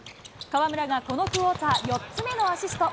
河村がこのクオーター、４つ目のアシスト。